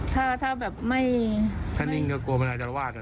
ถ้าว่างน่ะกลัวมันจะละวาด